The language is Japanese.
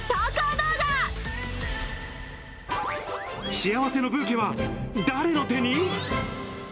幸せのブーケは誰の手に？